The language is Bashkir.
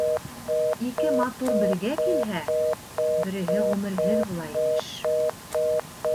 Ике матур бергә килһә, береһе ғүмерһеҙ була, имеш.